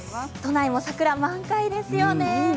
都内も桜、満開ですよね。